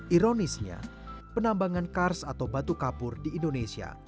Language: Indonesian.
ironisnya penambangan kars atau batu kapur di indonesia